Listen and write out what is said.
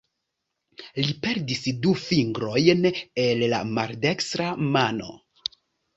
Li perdis du fingrojn el la maldekstra mano.